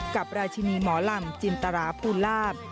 กับราชินีหมอลำจินตราภูลาภ